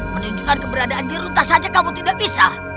menunjukkan keberadaan jeruta saja kamu tidak bisa